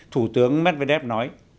thủ tướng medvedev nói